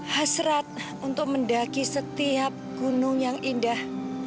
hasrat untuk mendaki setiap gunung yang indah